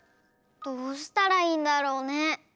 どうしたらいいんだろうね。